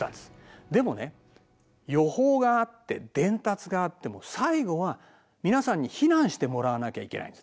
でもね予報があって伝達があっても最後は皆さんに避難してもらわなきゃいけないんですね。